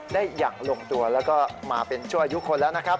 ได้อย่างลงตัวแล้วก็มาเป็นชั่วอายุคนแล้วนะครับ